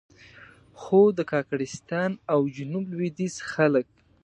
خو د کاکړستان او جنوب لوېدیځ خلک.